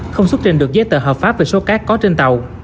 không xuất trình được giấy tờ hợp pháp về số cát có trên tàu